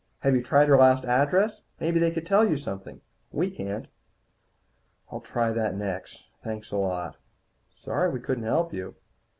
Have you tried her last address? Maybe they could tell you something. We can't." "I'll try that next. Thanks a lot." "Sorry we couldn't help you."